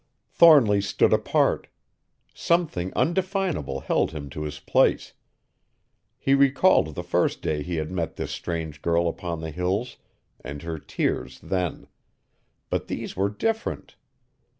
Thornly stood apart. Something undefinable held him to his place. He recalled the first day he had met this strange girl upon the Hills and her tears then; but these were different.